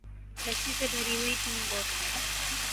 لسی سے بھری ہوئی تین بوتلیں